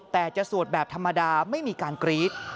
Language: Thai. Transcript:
แต่จะสวดแบบธรรมดาไม่มีการกรี๊ด